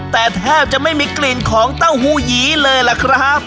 แต่แทบจะไม่มีกลิ่นของเต้าหู้หยีเลยล่ะครับ